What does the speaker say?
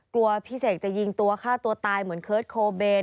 พี่เสกจะยิงตัวฆ่าตัวตายเหมือนเคิร์ตโคเบน